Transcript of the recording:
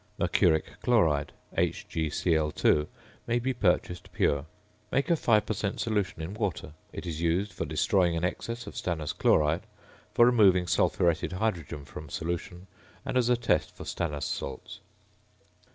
~Mercuric Chloride~ (HgCl_) may be purchased pure. Make a 5 per cent. solution in water. It is used for destroying an excess of stannous chloride; for removing sulphuretted hydrogen from solution; and as a test for stannous salts.